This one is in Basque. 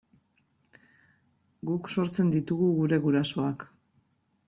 Guk sortzen ditugu gure gurasoak.